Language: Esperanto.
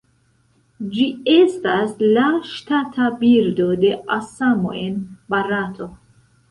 Ĝi estas la ŝtata birdo de Asamo en Barato.